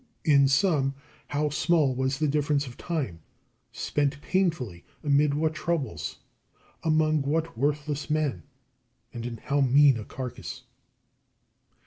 In sum, how small was the difference of time, spent painfully amid what troubles, among what worthless men, and in how mean a carcase!